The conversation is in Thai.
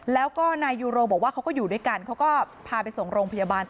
แล้วก็นายยูโรบอกว่าเขาก็อยู่ด้วยกันเขาก็พาไปส่งโรงพยาบาล